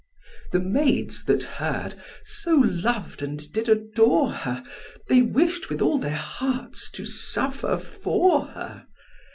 The maids that heard, so lov'd and did adore her, They wish'd with all their hearts to suffer for her.